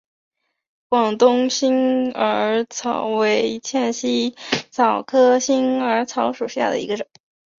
广东新耳草为茜草科新耳草属下的一个种。